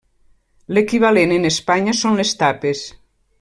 L'equivalent en Espanya són les tapes.